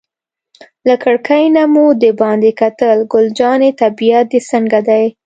له کړکۍ نه مو دباندې کتل، ګل جانې طبیعت دې څنګه دی؟